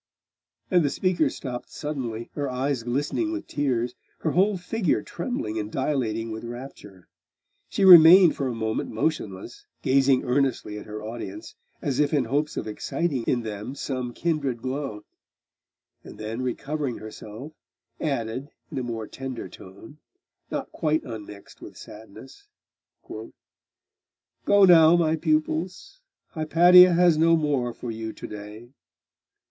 And the speaker stopped suddenly, her eyes glistening with tears, her whole figure trembling and dilating with rapture. She remained for a moment motionless, gazing earnestly at her audience, as if in hopes of exciting in them some kindred glow; and then recovering herself, added in a more tender tone, not quite unmixed with sadness 'Go now, my pupils. Hypatia has no more for you to day.